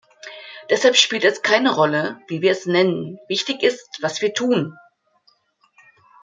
Deshalb spielt es keine Rolle, wie wir es nennen, wichtig ist, was wir tun.